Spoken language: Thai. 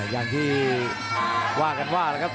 อย่างที่ว่ากันว่านะครับ